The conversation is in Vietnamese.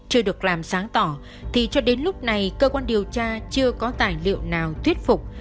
chưa được làm sáng tỏ thì cho đến lúc này cơ quan điều tra chưa có tài liệu nào thuyết phục